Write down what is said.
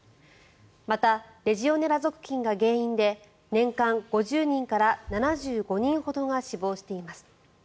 また、レジオネラ属菌が原因で年間５０人から７５人ほどが死亡しています。